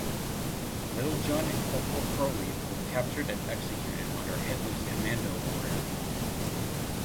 Littlejohn and Corporal Crowley were captured and executed under Hitler's Commando Order.